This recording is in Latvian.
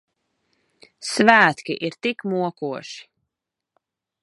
Svētki ir tik mokoši.